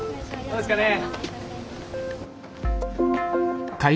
どうですかね？